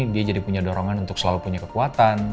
dia jadi punya dorongan untuk selalu punya kekuatan